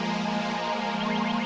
kok terlalu laju